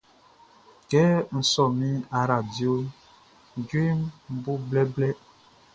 Kɛ n sɔ min aradioʼn, djueʼn bo blɛblɛblɛ.